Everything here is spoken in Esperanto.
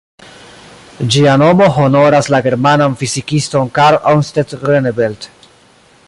Ĝia nomo honoras la germanan fizikiston "Karl-Ontjes Groeneveld".